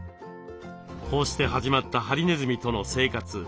こうして始まったハリネズミとの生活。